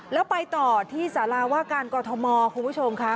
แล้วไปต่อที่สาราว่าการกอทมคุณผู้ชมค่ะ